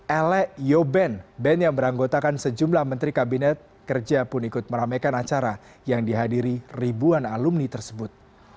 elek yoben ben yang beranggotakan sejumlah menteri kabinet kerja pun ikut meramaikan acara yang dihadiri ribuan alumni tersebut